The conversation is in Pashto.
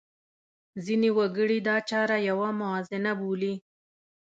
ځینې وګړي دا چاره یوه موازنه بولي.